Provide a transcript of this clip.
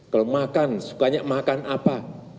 kalau makan sukanya makan apa